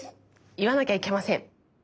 いわなきゃいけません。